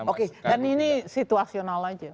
oke dan ini situasional aja